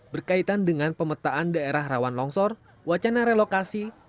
berkaitan dengan pemetaan daerah rawan longsor wacana relokasi